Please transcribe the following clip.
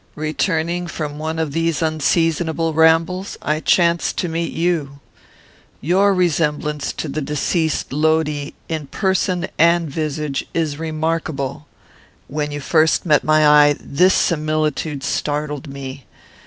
Returning from one of these unseasonable rambles, I chanced to meet you. Your resemblance to the deceased Lodi, in person and visage, is remarkable. When you first met my eye, this similitude startled me.